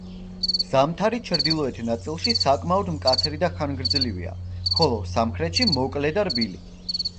ზამთარი ჩრდილოეთ ნაწილში საკმაოდ მკაცრი და ხანგრძლივია, ხოლო სამხრეთში მოკლე და რბილი.